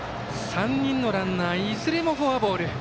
３人のランナーいずれもフォアボール。